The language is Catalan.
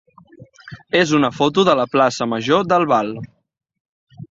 és una foto de la plaça major d'Albal.